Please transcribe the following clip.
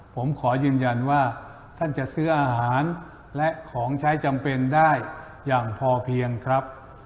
ผมขอยืนยันว่าท่านจะซื้ออาหารและของใช้จำเป็นได้อย่างพอเพียงครับ